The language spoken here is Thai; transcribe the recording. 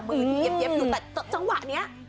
มือที่เย็บอยู่แต่จังหวะนี้